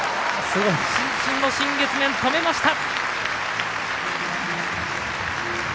伸身の新月面、止めました。